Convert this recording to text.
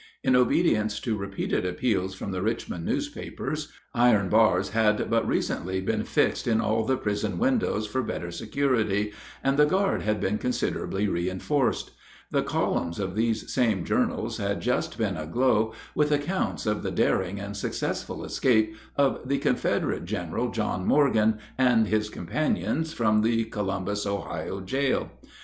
In obedience to repeated appeals from the Richmond newspapers, iron bars had but recently been fixed in all the prison windows for better security, and the guard had been considerably reinforced. The columns of these same journals had just been aglow with accounts of the daring and successful escape of the Confederate General John Morgan and his companions from the Columbus (Ohio) jail.